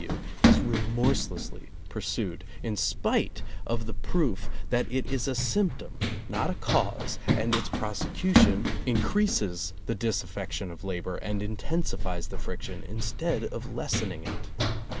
W. W., is remorselessly pursued, in spite of the proof that it is a symptom, not a cause, and its prosecution increases the disaffection of labor and intensifies the friction instead of lessening it.